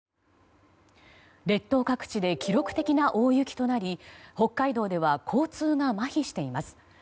列島各地で記録的な大雪となり北海道では交通がまひしています。